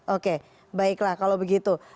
oke baiklah kalau begitu